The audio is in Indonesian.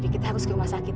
kita harus ke rumah sakit